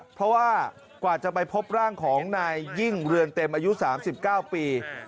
เพราะว่ากว่าจะไปพบร่างของนายยิ่งเรือนเต็มอายุ๓๙ปี